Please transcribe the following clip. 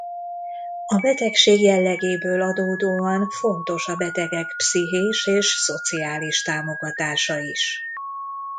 A betegség jellegéből adódóan fontos a betegek pszichés és szociális támogatása is.